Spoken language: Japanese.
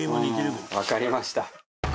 わかりました。